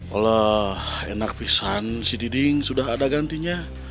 olah enak pisan si diding sudah ada gantinya